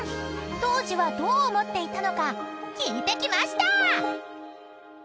［当時はどう思っていたのか聞いてきました］